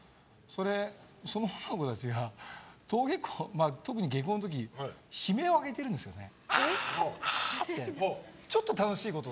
その女の子たちが特に下校の時に悲鳴を上げてるんですよね。